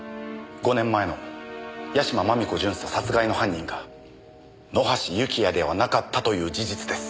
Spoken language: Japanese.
５年前の屋島真美子巡査殺害の犯人が野橋幸也ではなかったという事実です。